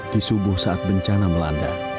di subuh saat bencana melanda